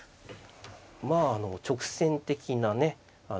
まああの直線的なね